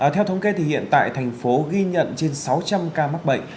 theo thống kê thì hiện tại thành phố ghi nhận trên sáu trăm linh ca mắc bệnh